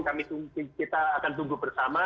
kita akan tunggu bersama